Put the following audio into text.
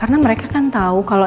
eeeeee pak surya bu sarah